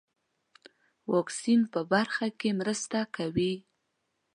واکسین په برخه کې مرسته کوي.